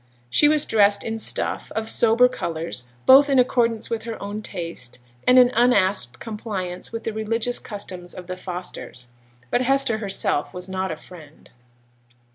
She was dressed in stuff of sober colours, both in accordance with her own taste, and in unasked compliance with the religious customs of the Fosters; but Hester herself was not a Friend.